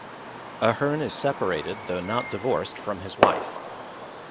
Ahern is separated, though not divorced, from his wife.